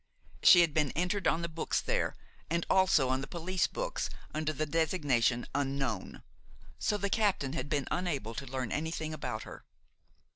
She had been entered on the books there and also on the police books under the designation unknown; so the captain had been unable to learn anything about her.